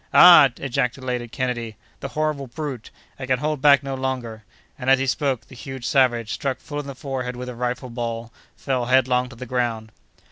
"Ah!" ejaculated Kennedy, "the horrible brute! I can hold back no longer," and, as he spoke, the huge savage, struck full in the forehead with a rifle ball, fell headlong to the ground.